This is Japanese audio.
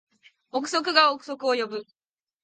憶測が憶測を呼ぶ